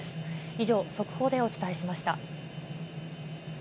以上、速報でお伝えしました。